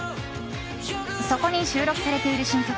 そこに収録されている新曲